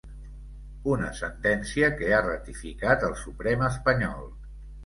Una sentència que ha ratificat el Suprem espanyol.